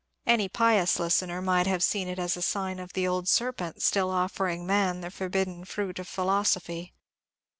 Any pious listener might have seen in it a sign of the old serpent still offering man the for bidden fruit of philosophy.